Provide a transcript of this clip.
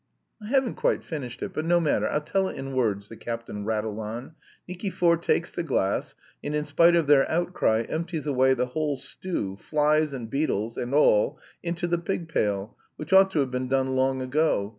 I haven't quite finished it. But no matter, I'll tell it in words," the captain rattled on. "Nikifor takes the glass, and in spite of their outcry empties away the whole stew, flies, and beetles and all, into the pig pail, which ought to have been done long ago.